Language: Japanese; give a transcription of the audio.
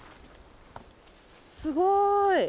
すごい。